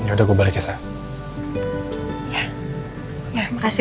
waktu ini sudah habis